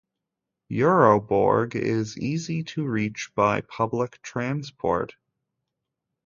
Euroborg is easy to reach by public transport.